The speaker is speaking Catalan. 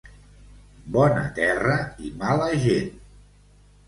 Bona terra i mala gent.